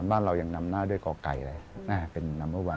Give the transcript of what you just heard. บ้านเรายังนำหน้าด้วยกอไก่แหละน่าจะเป็นน้ำเมื่อวัน